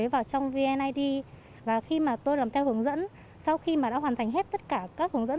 vào trong vnid và khi mà tôi làm theo hướng dẫn sau khi mà đã hoàn thành hết tất cả các hướng dẫn